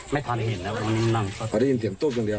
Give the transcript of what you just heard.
ไม่ทันเห็นแล้ววันนี้นั่งพอได้ยินเสียงตุ๊บอย่างเดียว